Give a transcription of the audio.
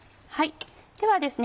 ではですね